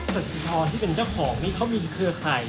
สสิทรที่เป็นเจ้าของนี่เขามีเครือข่าย